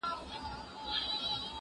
زه به سبا کالي وچوم وم؟